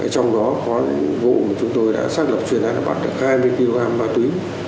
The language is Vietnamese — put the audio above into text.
trong đó có vụ chúng tôi đã sát lập truyền án bắt được hai mươi bốn vụ